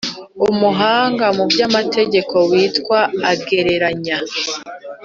umuhanga mu by’amateka witwa agereranya